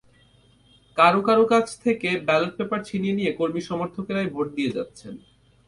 কারও কারও কাছ থেকে ব্যালট পেপার ছিনিয়ে নিয়ে কর্মী-সমর্থকেরাই ভোট দিয়ে দিচ্ছেন।